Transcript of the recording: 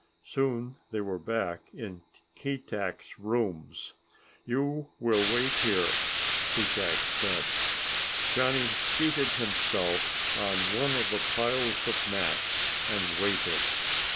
Soon they were back in Keetack's rooms. "You will wait here," Keetack said. Johnny seated himself on one of the piles of mats and waited.